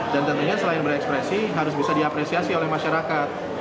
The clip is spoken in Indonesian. dan tentunya selain berekspresi harus bisa diapresiasi oleh masyarakat